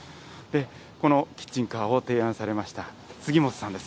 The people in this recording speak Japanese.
このキッチンカーを提案されました杉本さんです。